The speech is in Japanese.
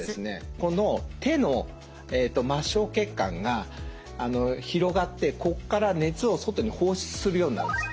この手の末しょう血管が広がってここから熱を外に放出するようになるんです。